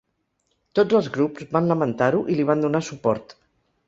Tots els grups van lamentar-ho i li van donar suport.